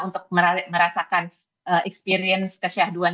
untuk merasakan experience kesyahduan